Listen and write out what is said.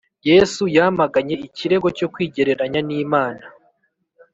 Yesu yamaganye ikirego cyo kwigereranya n’Imana.